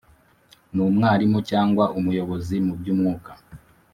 numwarimu cyangwa umuyobozi mu by’umwuka